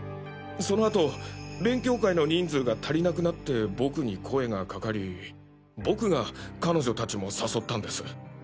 そのあと勉強会の人数が足りなくなって僕に声がかかり僕が彼女達も誘ったんです。